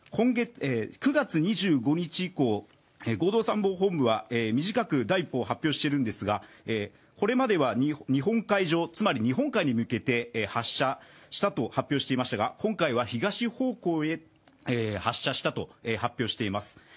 ９月２５日以降、合同参謀本部は短く第一報を発表しているんですがこれまでは日本海上、つまり日本に向けて発射したと発表しましたが今回は東方向へ発射したと発表しています。